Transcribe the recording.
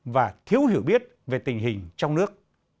và thiếu hiểu biết về tình hình trong nước